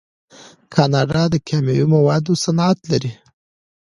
کاناډا د کیمیاوي موادو صنعت لري.